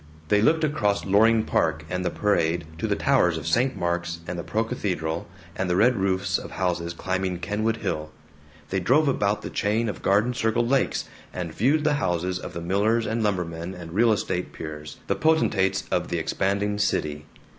They looked across Loring Park and the Parade to the towers of St. Mark's and the Procathedral, and the red roofs of houses climbing Kenwood Hill. They drove about the chain of garden circled lakes, and viewed the houses of the millers and lumbermen and real estate peers the potentates of the expanding city.